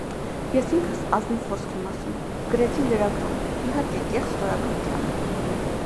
Ես ինքս, ազնիվ խոսք եմ ասում, գրեցի լրագրում, իհարկե, կեղծ ստորագրությամբ: